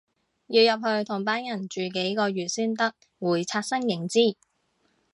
要入去同班人住幾個月先得，會刷新認知